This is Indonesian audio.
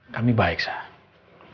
kami baik sah